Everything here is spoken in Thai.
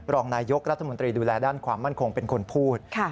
รองนายยกรัฐมนตรีดูแลด้านความมั่นคงเป็นคนพูด